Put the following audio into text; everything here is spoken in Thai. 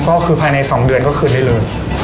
ก็คือภายใน๒เดือนก็คืนได้เลย